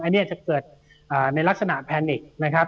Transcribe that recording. อันนี้จะเกิดในลักษณะแพนิกนะครับ